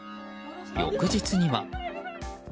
翌日には。